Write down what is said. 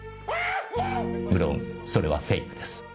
無論それはフェイクです。